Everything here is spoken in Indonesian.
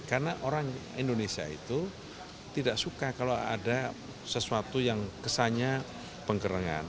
karena orang indonesia itu tidak suka kalau ada sesuatu yang kesannya penggerangan